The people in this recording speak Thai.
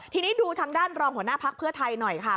ทีนี้ดูทางด้านรองหัวหน้าพักเพื่อไทยหน่อยค่ะ